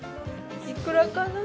いくらかな？